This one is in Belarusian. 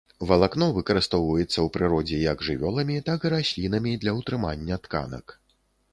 Валакно выкарыстоўваецца ў прыродзе як жывёламі, так і раслінамі для ўтрымання тканак.